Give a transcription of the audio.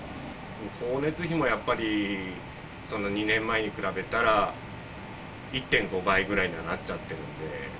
光熱費もやっぱり、２年前に比べたら、１．５倍ぐらいにはなっちゃってるんで。